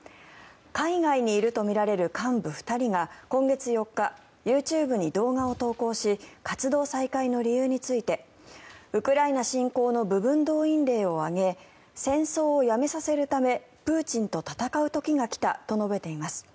海外にいるとみられる幹部２人が今月４日、ＹｏｕＴｕｂｅに動画を投稿し活動再開の理由についてウクライナ侵攻の部分動員令を挙げ戦争をやめさせるためプーチンと戦う時が来たと話しています。